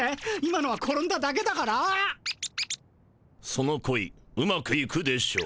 その恋うまくいくでしょう。